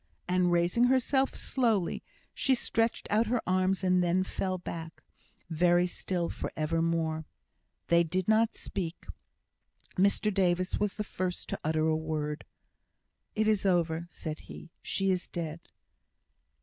And, raising herself slowly, she stretched out her arms, and then fell back, very still for evermore. They did not speak. Mr Davis was the first to utter a word. "It is over!" said he. "She is dead!"